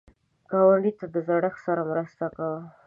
ګاونډي ته د زړښت سره مرسته کوه